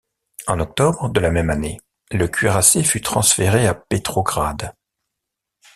En octobre de la même année le cuirassé fut transféré à Petrograd.